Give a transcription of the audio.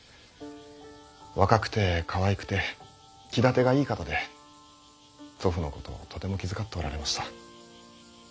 若くてかわいくて気立てがいい方で祖父のことをとても気遣っておられました。